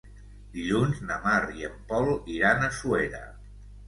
Dilluns na Mar i en Pol iran a Suera.